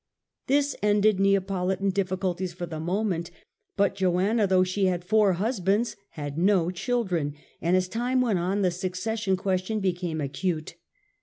This ended Neapolitan diffi.culties for the moment, but Joanna though she had four husbands had no children, and as time went on the succession question became acute.